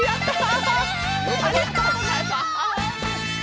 ありがとうございます！